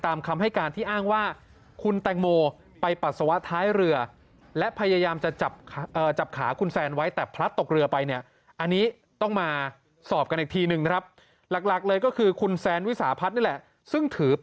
ตามคำให้การที่อ้างว่าคุณตังโมไปปัสสาวะท้ายเรือ